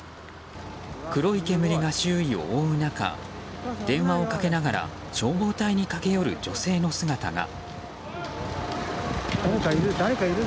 黒い煙が周囲を覆う中電話をかけながら消防隊に駆け寄る女性の姿が。